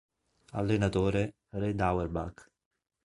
Allenatore: Red Auerbach